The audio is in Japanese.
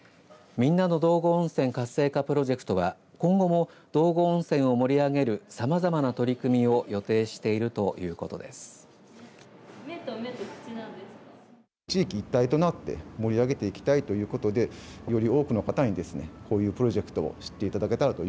みんなの道後温泉活性化プロジェクトは今後も道後温泉を盛り上げるさまざまな取り組みを予定しているということです。